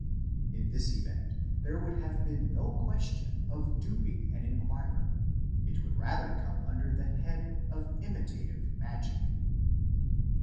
In this event there would have been no question of duping an inquirer, it would rather come under the head of imitative magic.